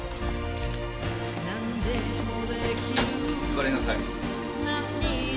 座りなさい。